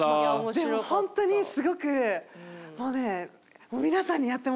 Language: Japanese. でもほんとにすごくもうねもう皆さんにやってもらいたいぐらい。